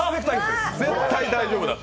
絶対大丈夫だって。